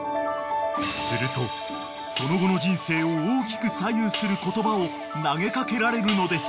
［するとその後の人生を大きく左右する言葉を投げ掛けられるのです］